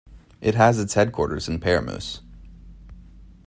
It has its headquarters in Paramus.